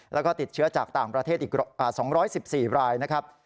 แล้วก็ติดเชื้อจากต่างประเทศอีก๒๑๔รายนะครับ